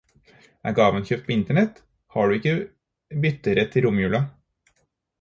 Er gaven kjøpt på internett, har du ikke bytterett i romjula.